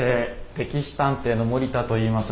「歴史探偵」の森田といいます。